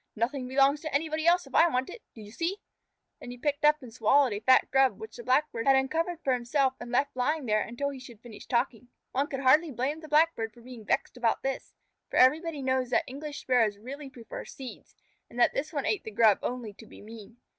"Nothing belongs to anybody else if I want it. Do you see?" Then he picked up and swallowed a fat Grub which the Blackbird had uncovered for himself and left lying there until he should finish talking. One could hardly blame the Blackbird for being vexed about this, for everybody knows that English Sparrows really prefer seeds, and that this one ate the Grub only to be mean.